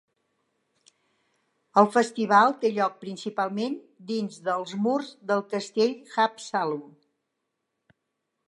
El festival té lloc principalment dins dels murs del castell Haapsalu.